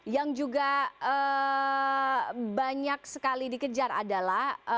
yang juga banyak sekali dikejar adalah